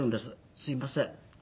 すいません。